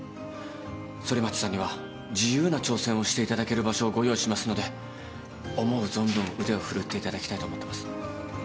ソリマチさんには自由な挑戦をしていただける場所をご用意しますので思う存分腕を振るっていただきたいと思ってます。